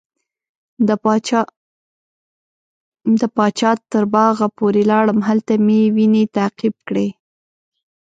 د پاچا تر باغه پورې لاړم هلته مې وینې تعقیب کړې.